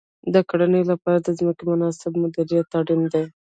د کرنې لپاره د ځمکې مناسب مدیریت اړین دی.